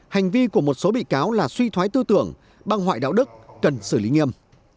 hành vi của một số bị cáo là suy thoái tư tưởng băng hoại đạo đức cần xử lý nghiêm